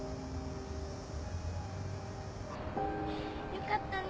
よかったね。